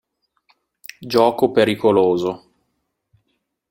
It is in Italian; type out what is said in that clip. Gioco pericoloso